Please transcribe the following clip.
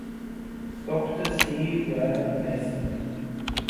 Doctor C. Vernon Mason.